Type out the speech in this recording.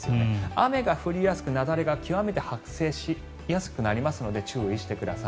雨が降りやすく雪崩が極めて発生しやすくなりますので注意してください。